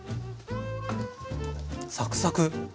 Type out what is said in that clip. サクサク。